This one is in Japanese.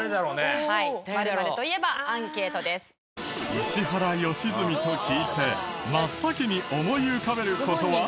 石原良純と聞いて真っ先に思い浮かべる事は？